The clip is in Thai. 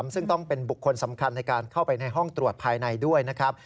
ซึ่งต้องเป็นบุคคลสำคัญในการเข้าไปในห้องตรวจภายในด้วยนะครับ